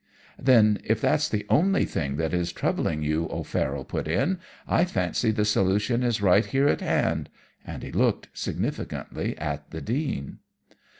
"'Then, if that's the only thing that is troubling you,' O'Farroll put in, 'I fancy the solution is right here at hand,' and he looked significantly at the Dean.